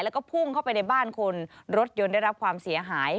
แล้วก็พุ่งเข้าไปในบ้านคนรถยนต์ได้รับความเสียหาย